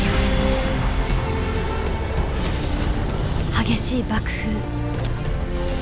激しい爆風。